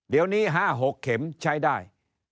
เดี๋ยวนี้๕๖เข็มใช้ได้